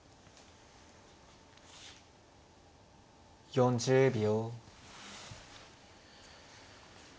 ４０秒。